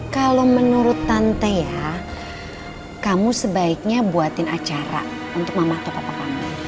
kalau menurut tante ya kamu sebaiknya buatin acara untuk mama atau papa kamu